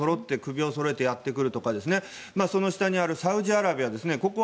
首をそろえてやってくるとかその下にあるサウジアラビアですね。